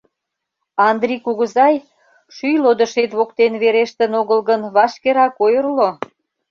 Андри кугызай, шӱйлодышет воктен верештын огыл гын, вашкерак ойырло.